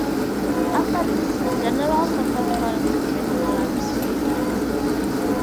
After this, general support for the movement collapsed.